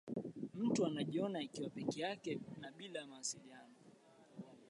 mtu akajiona akiwa peke yake na bila mawasiliano